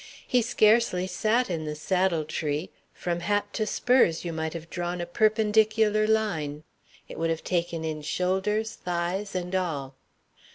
He scarcely sat in the saddle tree from hat to spurs you might have drawn a perpendicular line. It would have taken in shoulders, thighs, and all.